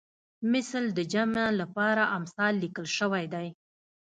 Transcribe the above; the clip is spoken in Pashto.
مثل د جمع لپاره امثال لیکل شوی دی